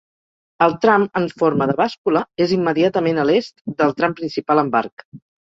El tram en forma de bàscula és immediatament a l'est del tram principal amb arc.